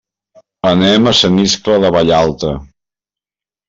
Anem a Sant Iscle de Vallalta.